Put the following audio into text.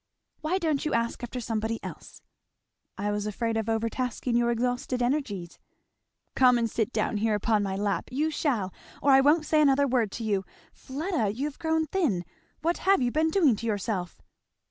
"Why don't you ask after somebody else?" "I was afraid of overtasking your exhausted energies." "Come and sit down here upon my lap! you shall, or I won't say another word to you. Fleda! you've grown thin! what have you been doing to yourself?"